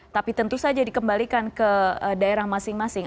tapi tentu saja dikembalikan ke daerah masing masing